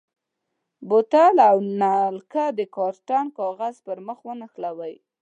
بوتل او نلکه د کارتن کاغذ پر مخ ونښلوئ.